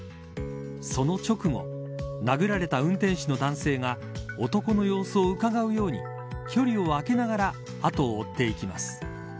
その直後殴られた運転手の男性が男の様子をうかがうように距離を空けながら後を追っていきます。